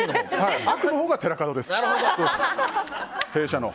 悪のほうが寺門です、弊社の。